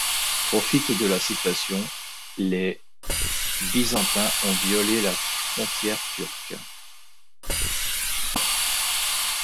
Profitent de la situation, les Byzantins ont violé la frontière turque.